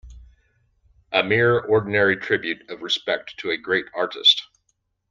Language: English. A mere ordinary tribute of respect to a great artist.